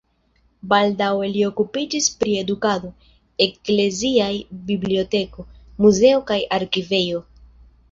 Baldaŭe li okupiĝis pri edukado, ekleziaj biblioteko, muzeo kaj arkivejo.